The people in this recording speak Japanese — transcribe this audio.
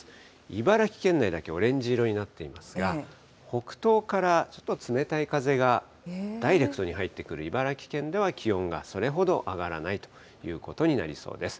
茨城県内だけオレンジ色になっていますが、北東からちょっと冷たい風がダイレクトに入ってくる、茨城県では気温がそれほど上がらないということになりそうです。